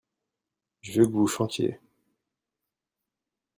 je veux que vous chantiez.